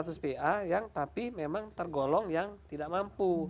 atau sembilan ratus pa yang tapi memang tergolong yang tidak mampu